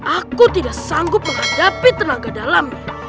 aku tidak sanggup menghadapi tenaga dalam